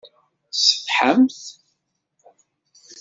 Tṣeḥḥamt?